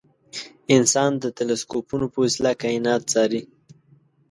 انسان د تلسکوپونو په وسیله کاینات څاري.